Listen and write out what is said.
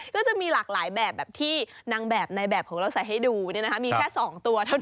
ก็จะมีหลากหลายแบบแบบที่นางแบบในแบบของเราใส่ให้ดูมีแค่๒ตัวเท่านั้น